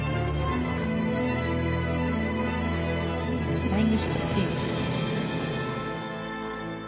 フライングシットスピン。